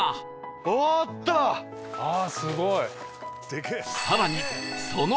ああすごい！